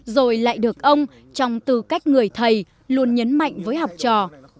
rồi lại được ông trong tư cách người thầy luôn nhấn mạnh với học trò